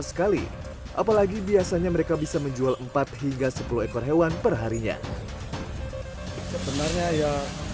sekali apalagi biasanya mereka bisa menjual empat hingga sepuluh ekor hewan perharinya sebenarnya ya